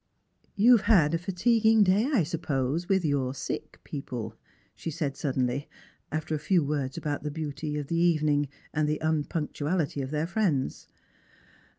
" You have had a fatiguing day, I suppose, with your sick people P " she said suddenly, after a few words about the beauty of the evening and the tmpunctuality of their friends.